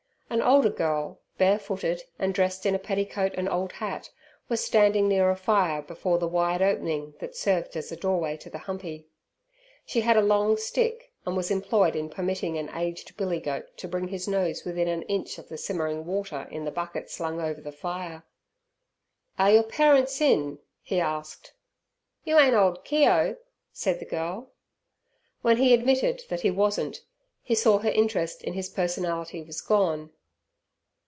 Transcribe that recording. An older girl, bare footed and dressed in a petticoat and old hat, was standing near a fire before the wide opening that served as a doorway to the humpy. She had a long stick, and was employed in permitting an aged billy goat to bring his nose within an inch of the simmering water in the bucket slung over the fire. "Are your parents in?" he asked. "You ain't ole Keogh?" said the girl. When he admitted that he wasn't, he saw her interest in his personality was gone.